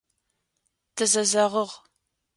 Тызэзэгъыгъ.